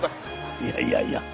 いやいやいや